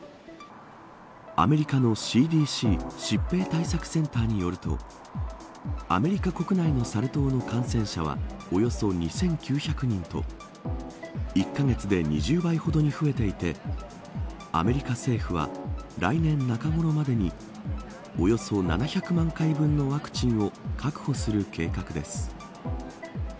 アメリカのＣＤＣ疾病対策センターによるとアメリカ国内のサル痘の感染者はおよそ２９００人と１カ月で２０倍ほどに増えていてアメリカ政府は来年中ごろまでにおよそ７００万回分のワクチンを確保する計画です。